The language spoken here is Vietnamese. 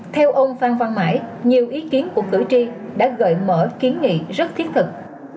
theo ông phan văn mãi nhiều ý kiến của cử tri đã gợi mở kiến nghị rất thiết thực